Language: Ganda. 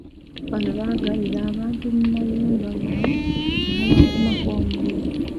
Bano baggalira abantu mu mayumba gaabwe ne babakumako omuliro.